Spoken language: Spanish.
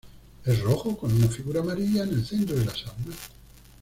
Es rojo con una figura amarilla en el centro de las armas.